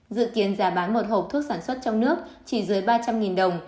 dự kiến giá bán một hộp thuốc sản xuất trong nước chỉ dưới ba trăm linh đồng